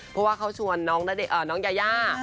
เพราะว่าเขาชวนน้องน้าเดชน์เอ่อน้องยาย่า